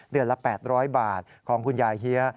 เดือนละ๘๐๐บาทของคุณยายเฮีย